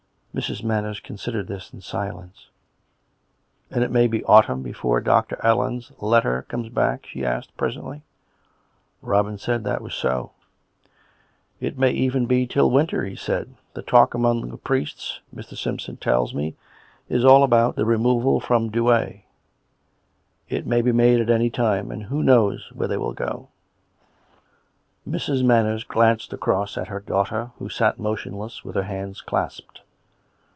Mrs. Manners considered this in silence. " And it may be autumn before Dr. Allen's letter comes back ?" she asked presently. Robin said that that was so. " It may even be till winter," he said. " The talk among 126 COME RACK! COME ROPE! the priests^ Mr. Simpson tells me, is all about the removal from Douay. It may be made at any time, and who knows where they will go? " Mrs. Manners glanced across at her daughter, who sat motionless, with her hands clasped.